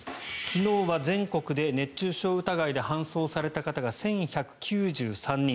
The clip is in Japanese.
昨日は全国で熱中症疑いで搬送された方が１１９３人。